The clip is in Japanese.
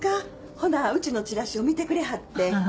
ほなうちのチラシを見てくれはって。